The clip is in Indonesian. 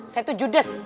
saya tuh judes